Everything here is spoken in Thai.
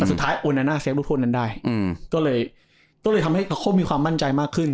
แต่สุดท้ายโอนาน่าเซฟลูกโทษนั้นได้ก็เลยทำให้เขามีความมั่นใจมากขึ้น